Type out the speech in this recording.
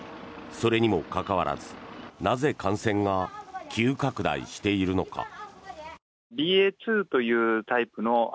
それにもかかわらずなぜ感染が急拡大しているのか。